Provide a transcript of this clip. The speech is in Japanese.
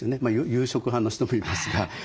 夕食派の人もいますが。